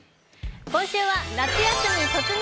今週は「夏休み突入！